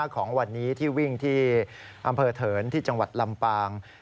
ของวันนี้ที่วิ่งที่อำเภอเถินที่จังหวัดลำปาง